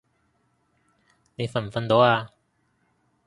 你瞓唔瞓到啊？